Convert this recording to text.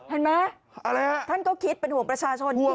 เห็นไหมอะไรนะท่านก็คิดเป็นห่วงประชาชน